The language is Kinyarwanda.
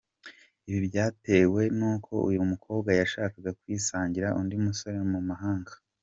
Ibi byatewe n’uko uyu mukobwa yashakaga kwisangira undi musore mu mahanga.